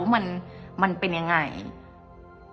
เพราะในตอนนั้นดิวต้องอธิบายให้ทุกคนเข้าใจหัวอกดิวด้วยนะว่า